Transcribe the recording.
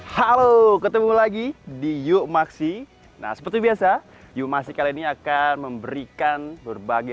halo ketemu lagi di yukmaksi nah seperti biasa yukmaksi kali ini akan memberikan berbagai